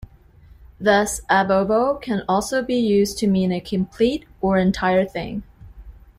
Thus "ab ovo" can also be used to mean a complete or entire thing.